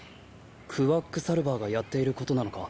クワック・サルヴァーがやっていることなのか？